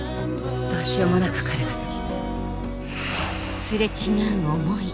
どうしようもなく彼が好き。